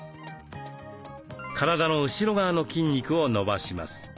体の後ろ側の筋肉を伸ばします。